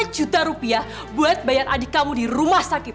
lima juta rupiah buat bayar adik kamu di rumah sakit